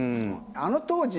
あの当時。